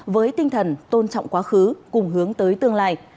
với tinh thần tôn trọng quá khứ cùng hướng tới tương lai